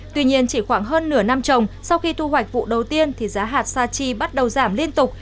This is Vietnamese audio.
tuy nhiên chỉ khoảng hơn nửa năm trồng sau khi thu hoạch vụ đầu tiên thì giá hạt sa chi bắt đầu giảm liên tục